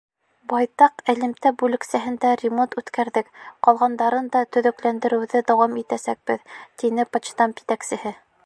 Байтаҡ элемтә бүлексәһендә ремонт үткәрҙек, ҡалғандарын да төҙөкләндереүҙе дауам итәсәкбеҙ, — тине почтамт етәксеһе.